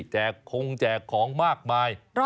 คงแจกของมากมาย